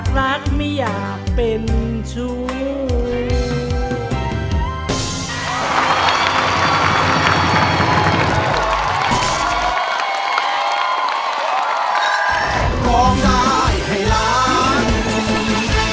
บอกเขาให้ทีว่าฉันก็ยังเสียใจ